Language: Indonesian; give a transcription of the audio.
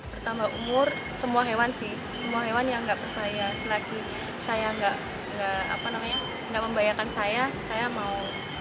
pertama umur semua hewan sih semua hewan yang gak berbayar selagi saya gak membayarkan saya saya mau